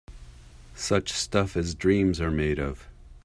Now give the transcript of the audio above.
Such stuff as dreams are made on